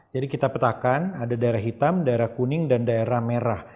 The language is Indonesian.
jadi kita petakan ada daerah hitam daerah kuning dan daerah merah